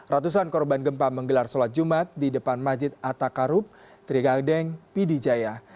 ratusan korban gempa menggelar sholat jumat di depan masjid atta karub trigadeng pidijaya